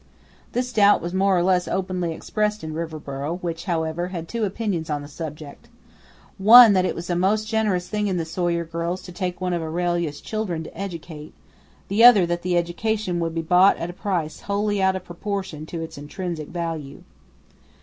This doubt was more or less openly expressed in Riverboro, which, however, had two opinions on the subject; one that it was a most generous thing in the Sawyer girls to take one of Aurelia's children to educate, the other that the education would be bought at a price wholly out of proportion to its intrinsic value.